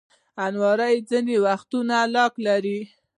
الماري ځینې وخت لاک لري